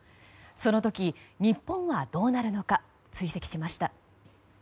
その時、日本はどうなるのか追跡しました。